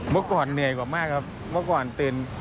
เมื่อก่อนเหนื่อยกว่ามากครับเมื่อก่อนตื่น